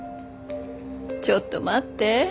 ちょっと待って。